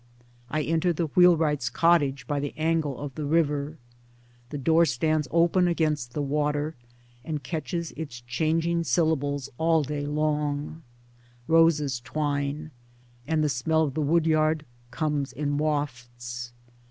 I enter the wheelwright's cottage by the angle of the river. The door stands open against the water, and catches its changing syllables all day long ; roses twine, and the smell of the woodyard comes in wafts.